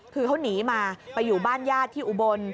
คือเขาหนีมาไปอยู่บ้านญาติที่อุบล